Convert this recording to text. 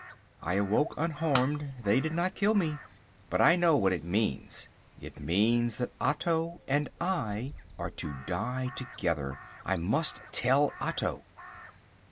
I awoke unharmed. They did not kill me. But I know what it means. It means that Otto and I are to die together. I must tell Otto.